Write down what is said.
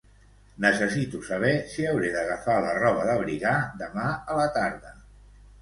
Necessito saber si hauré d'agafar la roba d'abrigar demà a la tarda.